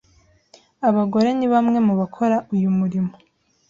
Abagore ni bamwe mu bakora uyu murimo